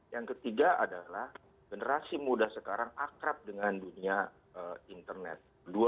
yang ketiga adalah generasi muda sekarang akrab dengan dunia internet